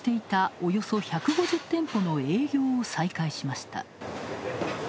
およそ１５０店舗の営業を再開しました。